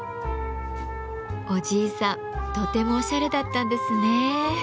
おじいさんとてもおしゃれだったんですね。